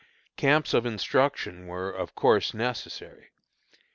Camps of instruction were, of course, necessary.